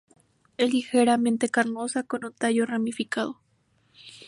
Es ligeramente carnosa con un tallo ramificado.